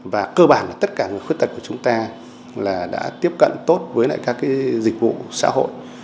và cơ bản là tất cả người khuyết tật của chúng ta đã tiếp cận tốt với lại các dịch vụ xã hội